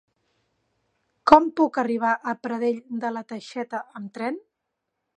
Com puc arribar a Pradell de la Teixeta amb tren?